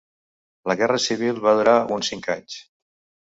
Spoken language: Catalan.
La guerra civil va durar uns cinc anys.